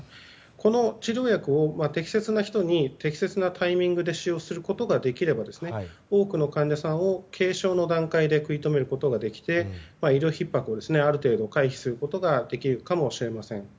この治療薬を適切な人に適切なタイミングで使用することができれば多くの患者さんを軽症の段階で食い止めることができて医療ひっ迫をある程度、回避することができるかもしれません。